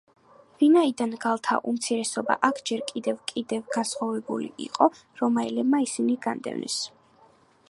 ვინაიდან გალთა უმცირესობა აქ ჯერ კიდევ კიდევ განსხვავებული იყო, რომაელებმა ისინი განდევნეს.